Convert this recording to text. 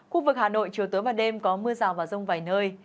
khu vực hà nội chiều tối và đêm có mưa rào và rông vài nơi